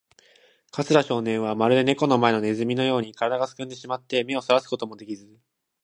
桂少年は、まるでネコの前のネズミのように、からだがすくんでしまって、目をそらすこともできず、